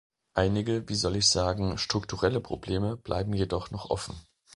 Einige wie soll ich sagen strukturelle Probleme bleiben jedoch noch offen.